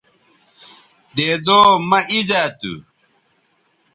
دیدو مہ اِیزا تھو